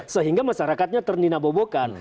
sehingga masyarakatnya terninabobokan